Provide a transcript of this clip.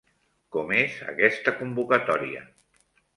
Com és aquesta convocatòria?